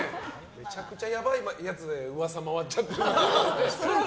めちゃくちゃやばいやつで噂回っちゃってる。